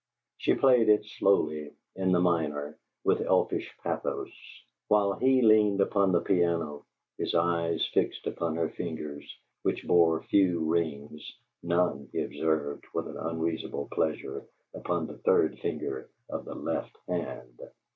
She played it slowly, in the minor, with elfish pathos; while he leaned upon the piano, his eyes fixed upon her fingers, which bore few rings, none, he observed with an unreasonable pleasure, upon the third finger of the left hand.